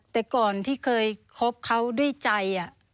แต่ก่อนที่เคยคบเขาด้วยใจ